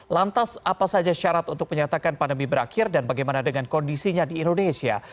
lantas apa saja syarat untuk menyatakan pandemi berakhir dan bagaimana dengan kondisinya di indonesia